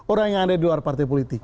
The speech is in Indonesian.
orang yang ada di luar partai politik